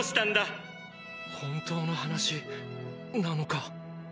本当の話なのか？